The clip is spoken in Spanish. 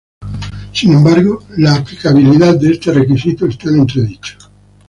Sin embargo, la aplicabilidad de este requisito está en entredicho.